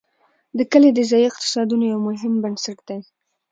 کلي د ځایي اقتصادونو یو مهم بنسټ دی.